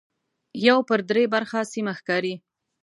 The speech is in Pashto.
یو پر درې برخه سیمه ښکاري.